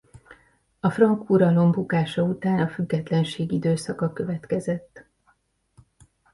A frank uralom bukása után a függetlenség időszaka következett.